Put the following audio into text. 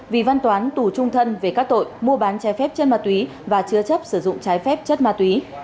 vì văn toán tù trung thân về các tội mua bán trái phép chân ma túy và chứa chấp sử dụng trái phép chất ma túy